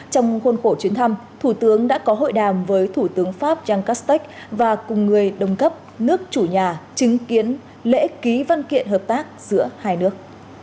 trong khuôn khổ chuyến thăm thủ tướng đã có hội đàm với thủ tướng pháp yancaste và cùng người đồng cấp nước chủ nhà chứng kiến lễ ký văn kiện hợp tác giữa hai nước